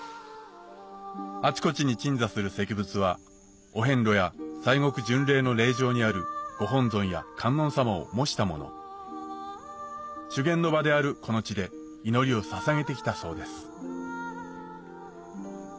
あちこちに鎮座する石仏はお遍路や西国巡礼の霊場にあるご本尊や観音様を模したもの修験の場であるこの地で祈りをささげてきたそうです